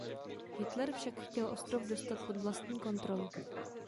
Hitler však chtěl ostrov dostat pod vlastní kontrolu.